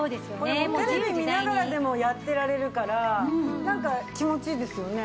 これテレビ見ながらでもやってられるからなんか気持ちいいですよね。